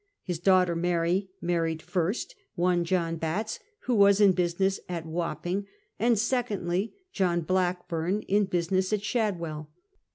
His daughter Mary married, first, one John Batts, who was in business at Wapping ; and secondly, John Blackburn, in business at Shadwcll.